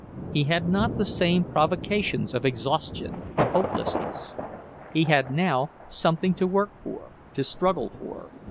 He had not the same provocations of exhaustion and hopelessness; he had now something to work for, to struggle for.